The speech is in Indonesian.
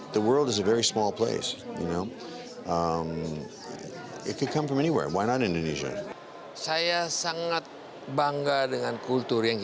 tapi dunia itu tempat yang sangat kecil